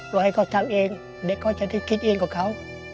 ให้เขาทำเองเด็กเขาจะได้คิดเองกับเขา